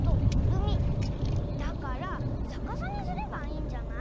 だからさかさにすればいいんじゃない？